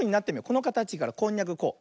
このかたちからこんにゃくこう。